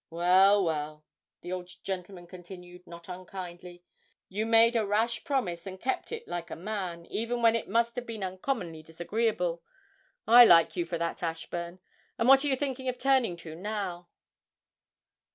'Well, well,' the old gentleman continued, not unkindly, 'you made a rash promise and kept it like a man, even when it must have been uncommonly disagreeable. I like you for that, Ashburn. And what are you thinking of turning to now?'